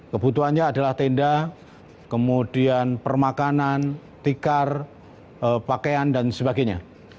kebutuhannya adalah tenda kemudian permakanan tikar pakaian dan sebagainya